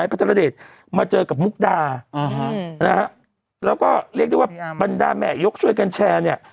พระธรเดชมาเจอกับมุกดานะฮะแล้วก็เรียกได้ว่าบรรดาแม่ยกช่วยกันแชร์เนี่ย